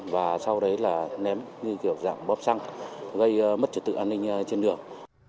và sau đấy là ném như kiểu dạng bóp xăng gây mất trật tự an ninh trên đường